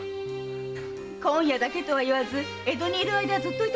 今夜だけとはいわず江戸にいる間は居てください。